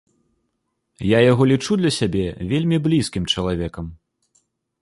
Я яго лічу для сябе вельмі блізкім чалавекам.